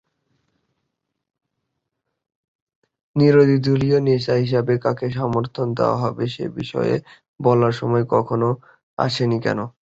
বিরোধীদলীয় নেতা হিসেবে কাকে সমর্থন দেওয়া হবে সে বিষয়ে বলার সময় এখনো আসেনি কেন?